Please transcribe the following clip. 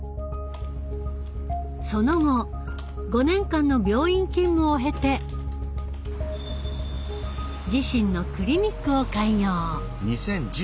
その後５年間の病院勤務を経て自身のクリニックを開業。